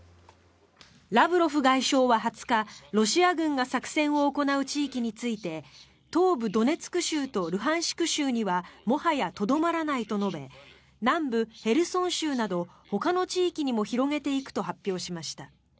ラブロフ外相は２０日ロシア軍が作戦を行う地域について東部ドネツク州とルハンシク州にはもはやとどまらないと述べ南部ヘルソン州などほかの地域にも広げていくと発表しました。